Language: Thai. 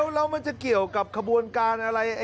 แล้วมันจะเกี่ยวกับขบวนการอะไร